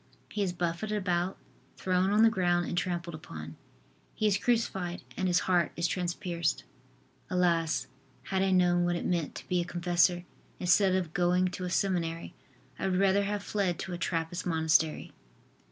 He is buffeted about, thrown on the ground and trampled upon. He is crucified and His heart is transpierced. Alas! had I known what it meant to be a confessor, instead of going to a seminary I would rather have fled to a Trappist Monastery."